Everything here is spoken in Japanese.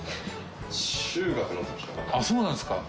あっそうなんですか。